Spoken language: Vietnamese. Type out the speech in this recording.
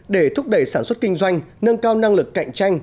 để thúc đẩy sản xuất kinh doanh nâng cao năng lực cạnh tranh